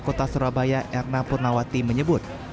kota surabaya erna purnawati menyebut